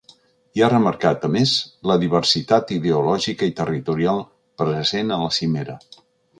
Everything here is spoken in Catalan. I ha remarcat, a més, la ‘diversitat ideològica i territorial’ present a la cimera.